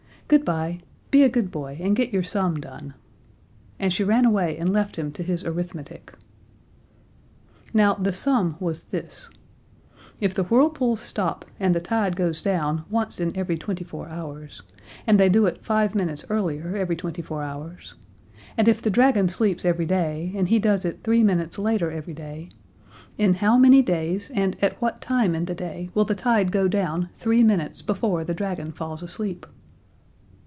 "Good bye. Be a good boy, and get your sum done." And she ran away and left him to his arithmetic. Now, the sum was this: "If the whirlpools stop and the tide goes down once in every twenty four hours, and they do it five minutes earlier every twenty four hours, and if the dragon sleeps every day, and he does it three minutes later every day, in how many days and at what time in the day will the tide go down three minutes before the dragon falls asleep?"